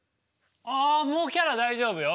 あもうキャラ大丈夫よ。